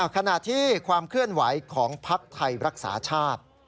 ขณะที่ความเคลื่อนไหวของภักดิ์ไทยรักษาชาติ